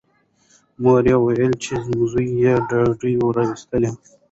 مور یې وویل چې زوی یې ډوډۍ راوایسته.